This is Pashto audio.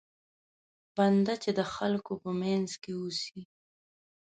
بنده چې د خلکو په منځ کې اوسي.